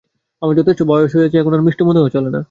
আমার যথেষ্ট বয়স হইয়াছে, এখন আর মিষ্ট মধু হওয়া চলে না।